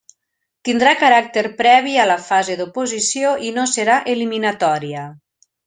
Tindrà caràcter previ a la fase d'oposició i no serà eliminatòria.